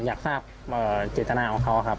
อยากทราบเจตนาของเขาครับ